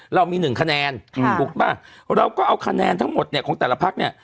เรามีหนึ่งคะแนนถูกป่ะเราก็เอาคะแนนทั้งหมดเนี่ยของแต่ละพักเนี่ย